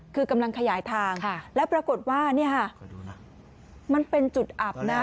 คือกำลังขยายทางแล้วปรากฏว่าเนี่ยค่ะมันเป็นจุดอับนะ